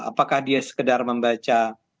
apakah dia sekedar membaca